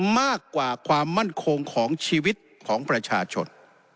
มากกว่าความมั่นคงของชีวิตของประชาชน